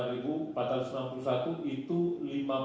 rp delapan empat ratus enam puluh satu tahun pertama